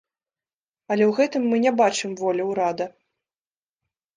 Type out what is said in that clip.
Але ў гэтым мы не бачым волі ўрада.